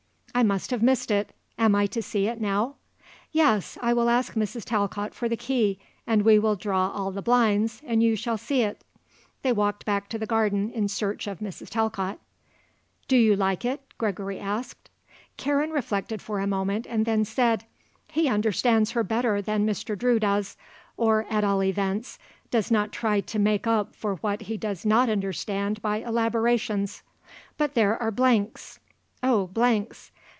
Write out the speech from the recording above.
"I must have missed it. Am I to see it now?" "Yes. I will ask Mrs. Talcott for the key and we will draw all the blinds and you shall see it." They walked back to the garden in search of Mrs. Talcott. "Do you like it?" Gregory asked. Karen reflected for a moment and then said; "He understands her better than Mr. Drew does, or, at all events, does not try to make up for what he does not understand by elaborations. But there are blanks! oh blanks!